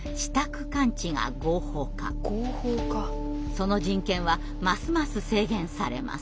その人権はますます制限されます。